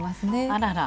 あらら。